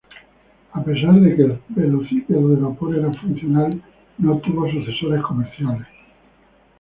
A pesar de que el velocípedo de vapor era funcional, no tuvo sucesores comerciales.